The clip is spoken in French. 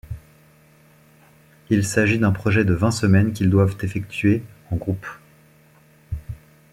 Il s'agit d'un projet de vingt semaines qu'ils doivent effectuer en groupes.